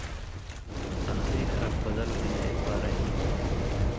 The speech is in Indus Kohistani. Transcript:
آخری حرف بدل ہُوئین٘یاں اِدبارہ ہِن